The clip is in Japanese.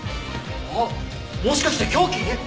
あっもしかして凶器！？